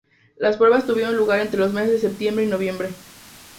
Las pruebas tuvieron lugar entre los meses de septiembre y noviembre.